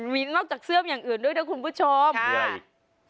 นอกจากเสื้อมอย่างอื่นด้วยนะคุณผู้ชม